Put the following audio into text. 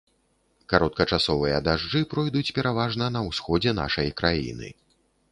Кароткачасовыя дажджы пройдуць пераважна на ўсходзе нашай краіны.